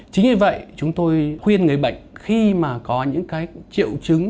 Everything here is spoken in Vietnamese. chính vì vậy chúng tôi khuyên người bệnh khi mà có những cái triệu chứng